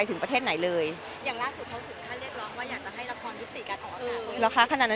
เนื้อหาดีกว่าน่ะเนื้อหาดีกว่าน่ะ